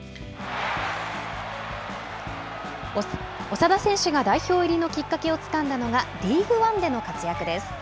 長田選手が代表入りのきっかけをつかんだのが、リーグワンでの活躍です。